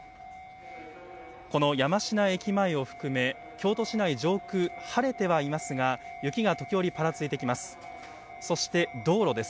この山科駅前を含め京都市内上空、晴れてはいますが雪が時折ぱらついてきます。